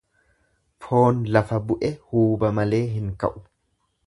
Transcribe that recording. Foon lafa bu'e huuba malee hin ka'u.